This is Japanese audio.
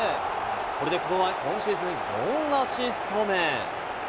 これで久保は今シーズン４アシスト目。